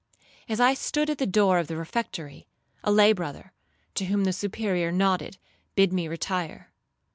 As I stood at the door of the refectory, a lay brother, to whom the Superior nodded, bid me retire.